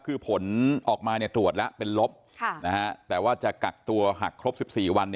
คือผลออกมาตรวจแล้วเป็นลบแต่ว่าจะกักตัวหักครบ๑๔วัน